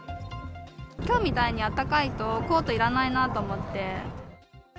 きょうみたいにあったかいと、コートいらないなと思って。